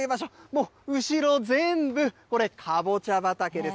もう後ろ全部、これ、かぼちゃ畑です。